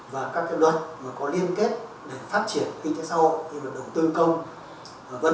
và các cái luật có liên kết để phát triển y tế xã hội như là đồng tư công v v v